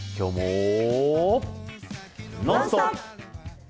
「ノンストップ！」。